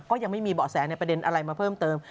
ยังไม่มีเบาะแสในประเด็นอะไรมาเพิ่มเติม